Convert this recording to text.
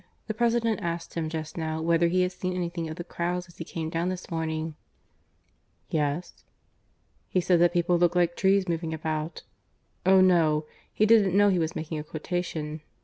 The President asked him just now whether he had seen anything of the crowds as he came down this morning." "Yes?" "He said that people looked like trees moving about. ... Oh no! he didn't know he was making a quotation.